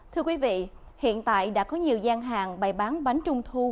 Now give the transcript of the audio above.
thưa quý vị hiện tại đã có nhiều gian hàng bày bán bánh trung thu